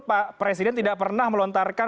pak presiden tidak pernah melontarkan